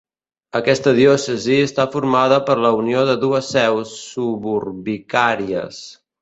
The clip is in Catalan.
Aquesta diòcesi està formada per la unió de dues seus suburbicàries.